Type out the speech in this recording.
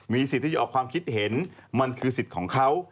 สิทธิ์ที่จะออกความคิดเห็นมันคือสิทธิ์ของเขา